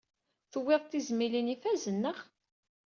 Tuwyeḍ-d tizmilin ifazen, naɣ?